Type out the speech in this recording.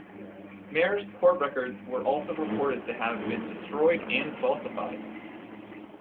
Mayor's court records were also reported to have been destroyed and falsified.